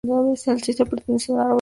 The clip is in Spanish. La arista e pertenece a un árbol T⊆Fi.